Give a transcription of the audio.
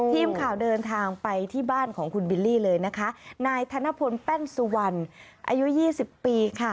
ทีมข่าวเดินทางไปที่บ้านของคุณบิลลี่เลยนะคะนายธนพลแป้นสุวรรณอายุยี่สิบปีค่ะ